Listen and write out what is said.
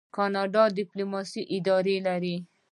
کاناډا د ډیپلوماسۍ اداره لري.